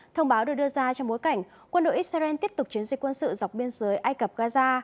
thông báo được đưa ra trong bối cảnh quân đội israel tiếp tục chiến dịch quân sự dọc biên giới ai cập gaza